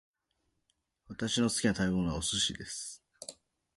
私の好きな食べ物はお寿司です